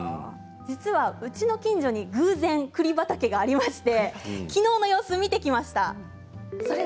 実はうちの近くに偶然、栗畑がありましてきのうの様子を見てきました。